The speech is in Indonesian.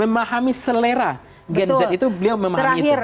memahami selera gen z itu beliau memahami itu